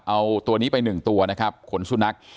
เอาตัวนี้ไป๑ตัวนะครับขนสุนัข